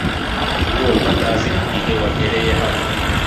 ndumva ntazi igihe wagereye hano